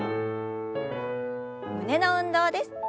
胸の運動です。